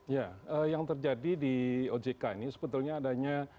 ya yang terjadi di ojk ini sebetulnya adanya